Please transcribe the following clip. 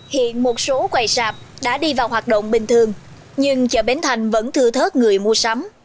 hiện một số quầy sạp đã đi vào hoạt động bình thường nhưng chợ bến thành vẫn thư thớt người mua sắm